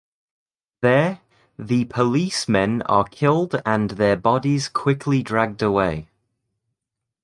There, the policemen are killed and their bodies quickly dragged away.